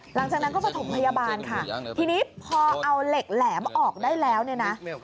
หลังจากนั้นก็ประถมพยาบาลค่ะทีนี้พอเอาเหล็กแหลมออกได้แล้วเนี่ยนะ